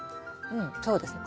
うんそうですね。